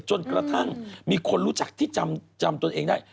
จนกระทั่งมีคนรู้จักที่จำตนเองได้